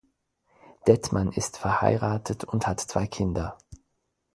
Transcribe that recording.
Dettmann ist verheiratet und hat zwei Kinder.